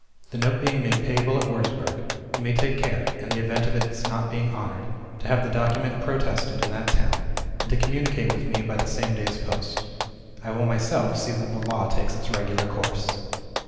The note being made payable at Wurzburg, you must take care (in the event of its not being honored) to have the document protested in that town, and to communicate with me by the same day's post. I will myself see that the law takes its regular course.